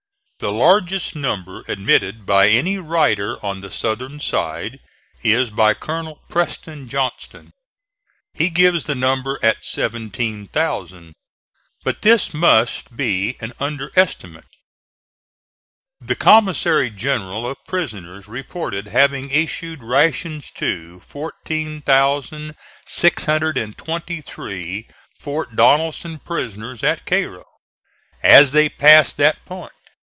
The largest number admitted by any writer on the Southern side, is by Colonel Preston Johnston. He gives the number at 17,000. But this must be an underestimate. The commissary general of prisoners reported having issued rations to 14,623 Fort Donelson prisoners at Cairo, as they passed that point.